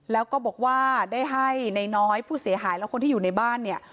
แล้วก็บอกว่าได้ให้นายน้อยผู้เสียหายและคนที่อยู่ในบ้านเนี่ย